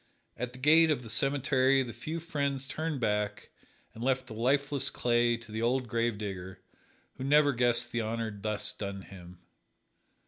At the gate of the cemetery the few friends turned back and left the lifeless clay to the old gravedigger, who never guessed the honor thus done him.